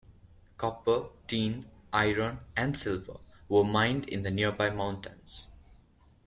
Copper, tin, iron and silver were mined in the nearby mountains.